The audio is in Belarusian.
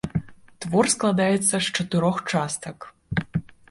Твор складаецца з чатырох частак.